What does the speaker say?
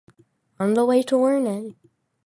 On the way to learning!